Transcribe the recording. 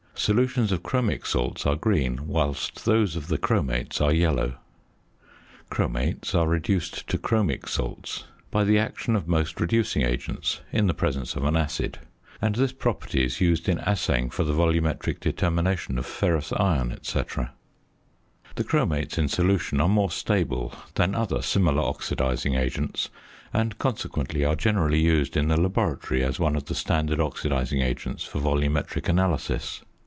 Solutions of chromic salts are green, whilst those of the chromates are yellow. Chromates are reduced to chromic salts by the action of most reducing agents in the presence of an acid; and this property is used in assaying for the volumetric determination of ferrous iron, &c. The chromates in solution are more stable than other similar oxidising agents, and consequently are generally used in the laboratory as one of the standard oxidising agents for volumetric analysis.